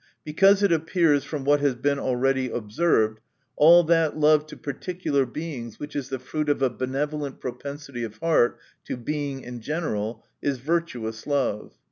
Because it appears from what has been already observed, all that love to particular Beings, which is the fruit of a benevolent propensity of heart to Being in general, is virtuous love.